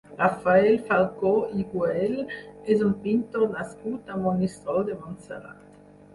Rafael Falcó i Güell és un pintor nascut a Monistrol de Montserrat.